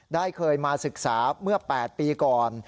เคยมาศึกษาเมื่อ๘ปีก่อน